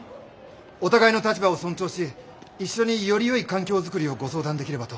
お互いの立場を尊重し一緒によりよい環境作りをご相談できればと。